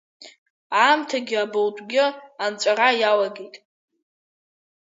Аамҭагьы абылтәгьы анҵәара иалагеит.